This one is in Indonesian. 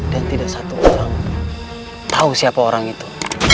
dan tidak satu orang tahu siapa orang itu